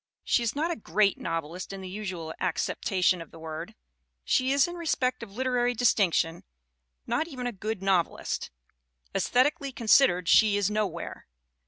She is not a "great" novelist in the usual acceptation of the word; she is, in respect of literary distinction, not even a good nov elist. Aesthetically considered she is nowhere.